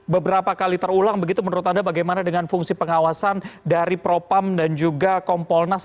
beberapa kali terulang begitu menurut anda bagaimana dengan fungsi pengawasan dari propam dan juga kompolnas